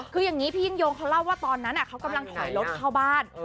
คืออย่างนี้พี่ยิ่งยงเขาเล่าว่าตอนนั้นเขากำลังถอยรถเข้าบ้าน